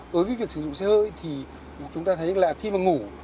đối với việc sử dụng xe hơi thì chúng ta thấy là khi mà ngủ